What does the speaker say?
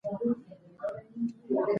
که ناروغ شوې